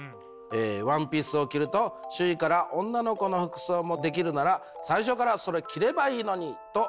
ワンピースを着ると周囲から女の子の服装もできるなら最初からそれ着ればいいのにと言われました。